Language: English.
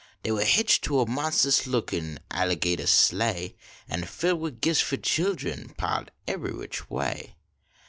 Dey war hitched to a inonsus lookin alligatah sleigh. An filled wid gifts fo de chillun, piled ebery which un way.